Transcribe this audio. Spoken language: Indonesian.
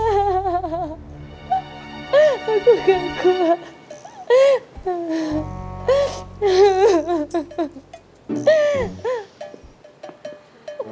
aku gak kuat